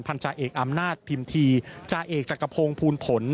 พันธาเอกอำนาจพิมธีพันธาเอกจักรพงศ์พูลผล